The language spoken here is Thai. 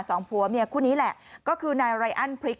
สองผัวเมียคู่นี้แหละก็คือนายไรอันพริก